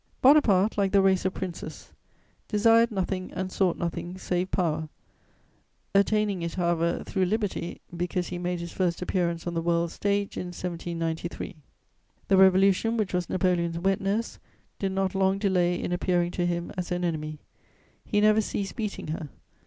Bonaparte, like the race of princes, desired nothing and sought nothing save power, attaining it, however, through liberty, because he made his first appearance on the world's stage in 1793. The Revolution, which was Napoleon's wet nurse, did not long delay in appearing to him as an enemy; he never ceased beating her.